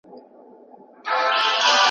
زما او ستا په مینه ټول مهلت شکمن، شکمن دی